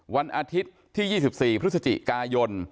วันอาทิตย์ที่๒๔พฤศจิกายน